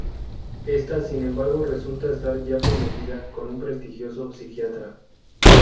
Ésta, sin embargo, resulta estar ya prometida con un prestigioso psiquiatra.